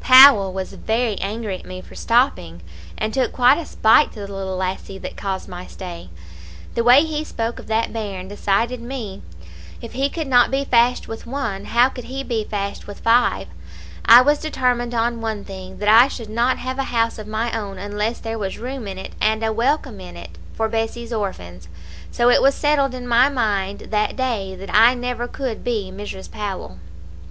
"Powell was very angry at me for stopping, and took quite a spite to the little lassie that caused my stay. The way he spoke of that bairn decided me. If he could not be fashed with one, how could he be fashed with five? I was determined on one thing, that I should not have a house of my own unless there was room in it, and a welcome in it, for Bessie's orphans; so it was settled in my mind that day that I never could be Mrs. Powell.